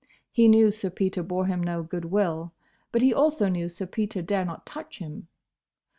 He knew Sir Peter bore him no good will, but he also knew Sir Peter dare not touch him.